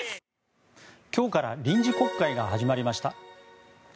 今日から臨時国会が始まりました。